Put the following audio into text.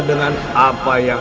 di dunia kalian